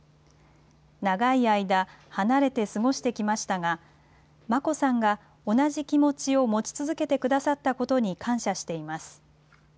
長い間離れて過ごしてきましたが、眞子さんが同じ気持ちを持ち続けてくださったことに感謝しています。